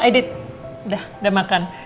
aydit udah makan